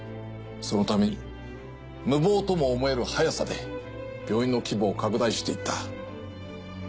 そのために無謀とも思える速さで病院の規模を拡大していった。